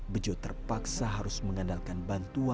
bejo terpaksa harus berusaha untuk mengembangnya